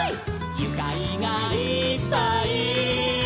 「ゆかいがいっぱい」